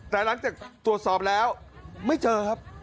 แต่หลังจากตรวจสอบแล้วไม่เจอครับ